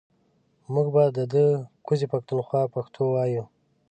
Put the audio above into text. مونږ به ده ده کوزې پښتونخوا پښتو وايو